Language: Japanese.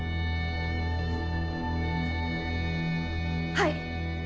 はい！